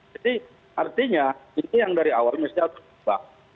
jadi artinya ini yang dari awal mesti harus berubah